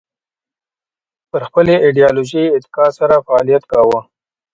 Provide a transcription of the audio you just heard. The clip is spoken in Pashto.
پر خپلې ایدیالوژۍ اتکا سره فعالیت کاوه